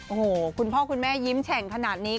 โอ้โหคุณพ่อคุณแม่ยิ้มแฉ่งขนาดนี้